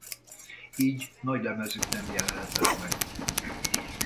Így nagylemezük nem jelenhetett meg.